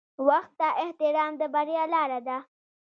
• وخت ته احترام د بریا لاره ده.